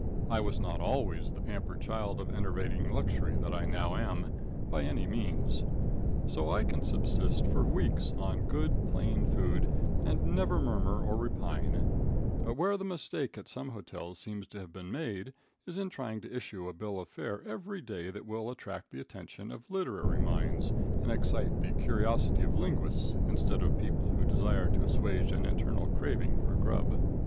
I was not always the pampered child of enervating luxury that I now am, by any means. So I can subsist for weeks on good, plain food, and never murmur or repine; but where the mistake at some hotels seems to have been made, is in trying to issue a bill of fare every day that will attract the attention of literary minds and excite the curiosity of linguists instead of people who desire to assuage an internal craving for grub.